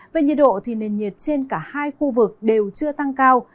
về nhiệt độ thì nền nhiệt trên cả hai khu vực đều chưa tăng cao